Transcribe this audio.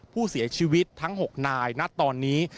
ผู้เสียชีวิตทั้ง๖นายณตอนนี้